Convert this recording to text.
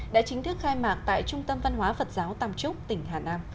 đã chính thức khai mạc tại trung tâm văn hóa phật giáo tàm trúc tỉnh hà nam